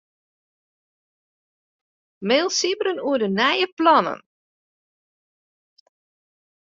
Mail Sybren oer de nije plannen.